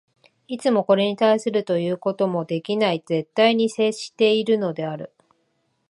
いつもこれに対するということもできない絶対に接しているのである。